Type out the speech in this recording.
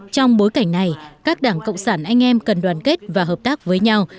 trong bối cảnh này các đảng cộng sản anh em cần đoàn kết và hợp tác với nhau